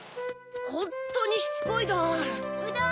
ホントにしつこいどん。